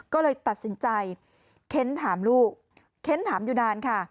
ก็เลยตัดสินใจเค้นถามลูกเค้นถามอยู่นานค่ะ